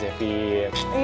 iya tapi dia udah kecil